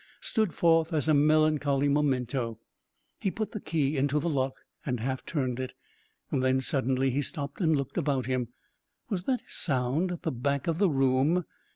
stood forth as a melancholy memento. He put the key into the lock and half turned it. Then, suddenly, he stopped and looked about him. Was that a sound at the back of the room?